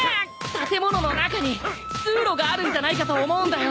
建物の中に通路があるんじゃないかと思うんだよ。